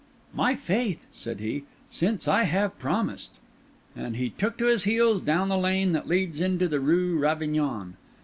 "My faith," said he, "since I have promised!" And he took to his heels down the lane that leads into the Rue Ravignan.